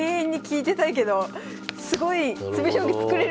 すごい。